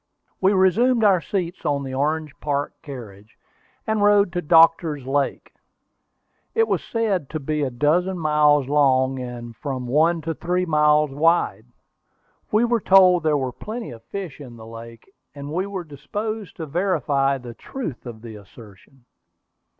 We resumed our seats on the Orange Park carriage, and rode to Doctor's Lake. It was said to be a dozen miles long, and from one to three miles wide. We were told there were plenty of fish in this lake, and we were disposed to verify the truth of the assertion.